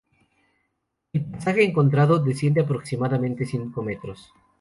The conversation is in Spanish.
El pasaje encontrado desciende aproximadamente cinco metros.